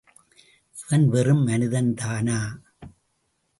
இவன் வெறும் மனிதன்தானா?